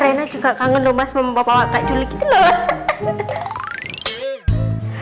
reina juga kangen lho mas bapak bapak kak julie gitu loh